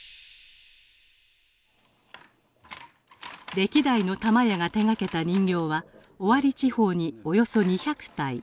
歴代の玉屋が手がけた人形は尾張地方におよそ２００体。